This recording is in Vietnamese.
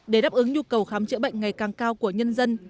để đáp ứng nhu cầu khám chữa bệnh ngày càng cao của nhân dân